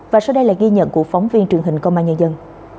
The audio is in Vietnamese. và sau đây là ghi nhận của phóng viên truyền hình công an nhân dân